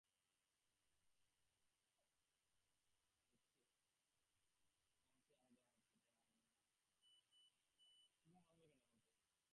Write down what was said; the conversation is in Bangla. শহরাঞ্চলে অধিকাংশ বেসরকারি হাসপাতাল ক্লিনিকে বুকের দুধের বিকল্প শিশুখাদ্যের বাণিজ্যের অভিযোগ আছে।